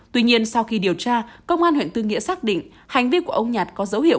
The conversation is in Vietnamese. tuy nhiên sau khi điều tra công an huyện tư nghĩa xác định hành vi của ông nhạt có dấu hiệu